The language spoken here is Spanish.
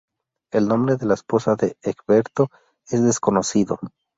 El nombre de la esposa de Egberto es desconocido.